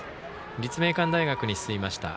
立命館大学に進みました。